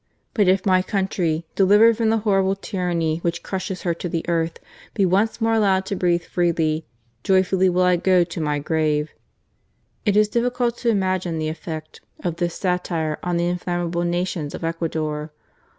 But if my country, delivered from the horrible tyranny which crushes her to the earth, be once more allowed to breathe freely, joyfully will I go to my grave." It is difficult to imagine the effect of this satire on the inflammable nations of Ecuador.